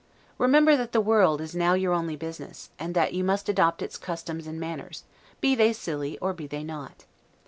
Remember that the world is now your only business; and that you must adopt its customs and manners, be they silly or be they not.